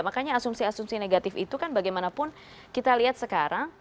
makanya asumsi asumsi negatif itu kan bagaimanapun kita lihat sekarang